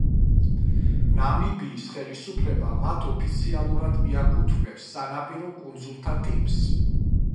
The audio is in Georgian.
ნამიბიის ხელისუფლება მათ ოფიციალურად მიაკუთვნებს სანაპირო კუნძულთა ტიპს.